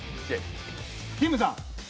きむさん。